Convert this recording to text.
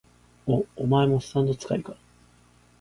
お、お前もスタンド使いか？